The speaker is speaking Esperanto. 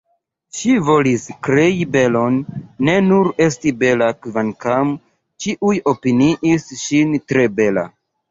Ŝi volis krei belon, ne nur esti bela kvankam ĉiuj opiniis ŝin tre bela.